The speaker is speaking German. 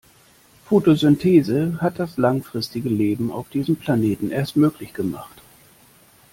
Photosynthese hat das langfristige Leben auf diesem Planeten erst möglich gemacht.